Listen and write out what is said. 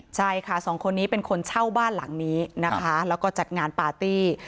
ใช่ค่ะสองคนนี้เป็นคนเช่าบ้านหลังนี้นะคะแล้วก็จัดงานปาร์ตี้